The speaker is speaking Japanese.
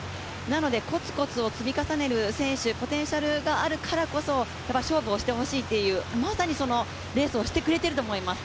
なのでこつこつを積み重ねる選手、ポテンシャルがあるからこそ勝負をしてほしいというまさにそういうレースをしてくれていると思います。